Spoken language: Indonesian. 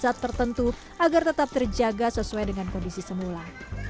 pada saat tertentu agar tetap terjaga sesuai dengan kondisi semula